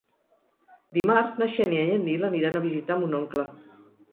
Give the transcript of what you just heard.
Dimarts na Xènia i en Nil aniran a visitar mon oncle.